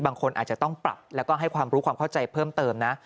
บางคนอาจจะต้องปรับแล้วก็ให้ความรู้ความเข้าใจเพิ่มเติมนะ